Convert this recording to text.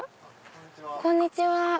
こんにちは。